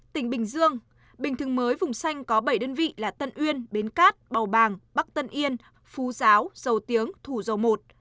tỉnh bình dương bình thường mới vùng xanh có bảy đơn vị là tân uyên bến cát bào bàng bắc tân yên phú giáo dầu tiếng thủ dầu một